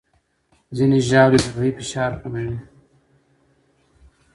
ځینې ژاولې د روحي فشار کموي.